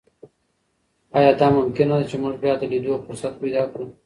ایا دا ممکنه ده چې موږ بیا د لیدو فرصت پیدا کړو؟